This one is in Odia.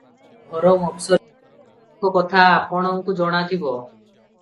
ଘୋର ମଫସଲିଆ ଲୋକମାନଙ୍କ କଥା ଆପଣଙ୍କୁ ଜଣାଥିବ ।